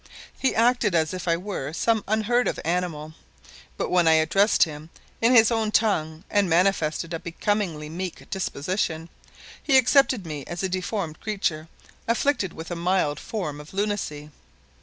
He acted as if I were some unheard of animal, but when I addressed him in his own tongue and manifested a becomingly meek disposition, he accepted me as a deformed creature afflicted with a mild form of lunacy.